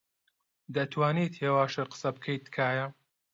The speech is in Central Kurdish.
دەتوانیت هێواشتر قسە بکەیت، تکایە؟